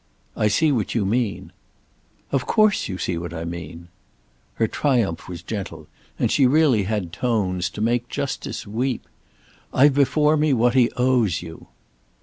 "I see what you mean." "Of course you see what I mean." Her triumph was gentle, and she really had tones to make justice weep. "I've before me what he owes you."